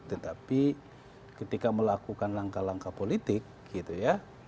tetapi ketika melakukan langkah langkah politik gitu ya